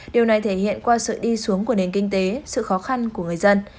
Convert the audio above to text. điều này thể hiện qua sự đi xuống của nền kinh tế sự khó khăn của người dân